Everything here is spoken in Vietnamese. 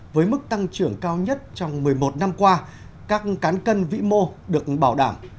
với mức tăng trưởng cao nhất trong một mươi một năm qua các cán cân vĩ mô được bảo đảm